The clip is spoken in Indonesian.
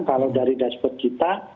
kalau dari dashboard kita